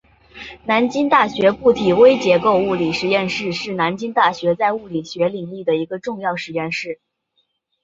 南京大学固体微结构物理实验室是南京大学在物理学领域的一个重要实验室。